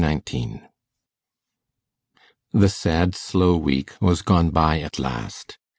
Chapter 19 The sad slow week was gone by at last.